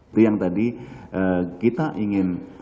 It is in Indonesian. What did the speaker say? itu yang tadi kita ingin